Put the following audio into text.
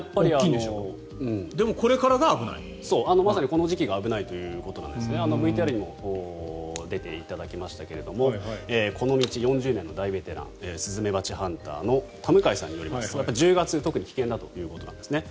まさにこれからの時期が危ないということでＶＴＲにも出ていただきましたがこの道４０年の大ベテランスズメバチハンターの田迎さんによりますと１０月、特に危険だということなんですね。